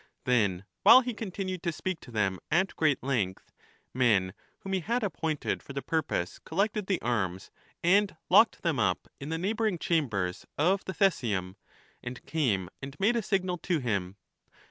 Then, while he continued to speak to them at great length, men whom he had ap pointed for the purpose collected the arms and locked them up in the neighbouring chambers of the Theseum, and came and made a signal to him.